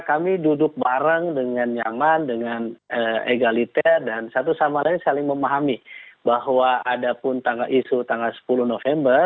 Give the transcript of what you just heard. kami duduk bareng dengan nyaman dengan egaliter dan satu sama lain saling memahami bahwa ada pun tanggal isu tanggal sepuluh november